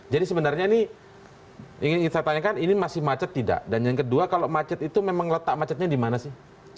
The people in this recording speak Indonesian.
jadi sebenarnya ini ingin saya tanyakan ini masih macet tidak dan yang kedua kalau macet itu memang letak macetnya di mana sih